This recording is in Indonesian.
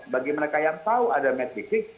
bagi mereka yang tahu ada match fixing